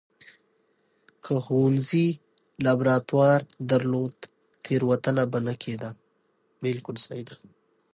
که ښوونځي لابراتوار درلود، تېروتنه به نه کېده.